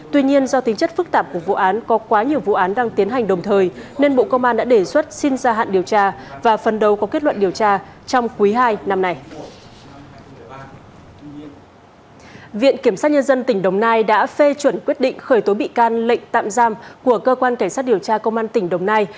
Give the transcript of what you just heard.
tuy nhiên do tính chất phức tạp của vụ án có quá nhiều vụ án đang tiến hành đồng thời nên bộ công an đã đề xuất xin gia hạn điều tra và phần đầu có kết luận điều tra trong quý hai năm nay